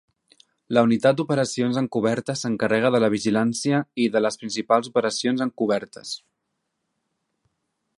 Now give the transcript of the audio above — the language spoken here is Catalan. La Unitat d'Operacions Encobertes s'encarrega de la vigilància i de les principals operacions encobertes.